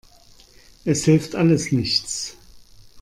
Es hilft alles nichts.